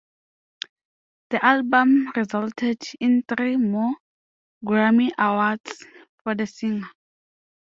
The album resulted in three more Grammy Awards for the singer.